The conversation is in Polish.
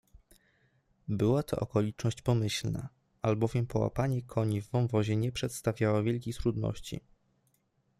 Była to okoliczność pomyślna, albowiem połapanie koni w wąwozie nie przedstawiało wielkich trudności.